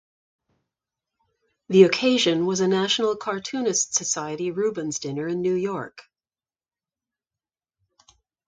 The occasion was a National Cartoonists Society Reubens Dinner in New York.